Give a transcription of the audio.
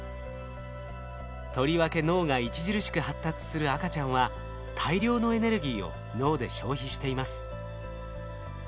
とりわけ脳が著しく発達する赤ちゃんは大量のエネルギーを脳で消費しています。